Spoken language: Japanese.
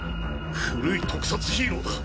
古い特撮ヒーローだ。